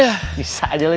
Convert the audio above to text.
aduh bisa aja loh ya